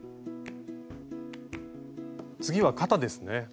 次は肩ですね。